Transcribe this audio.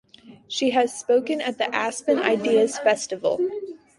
She has spoken at the Aspen Ideas Festival.